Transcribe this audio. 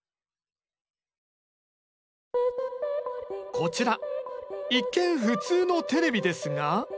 こちら一見普通のテレビですが。